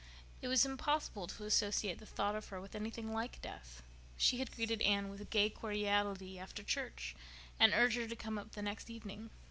It was impossible to associate the thought of her with anything like death. She had greeted Anne with gay cordiality after church, and urged her to come up the next evening.